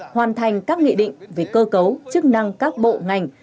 hoàn thành các nghị định về cơ cấu chức năng các bộ ngành